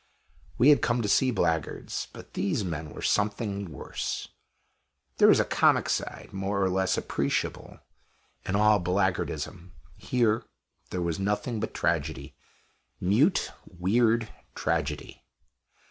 We had come to see blackguards; but these men were something worse. There is a comic side, more or less appreciable, in all blackguardism here there was nothing but tragedy mute, weird tragedy.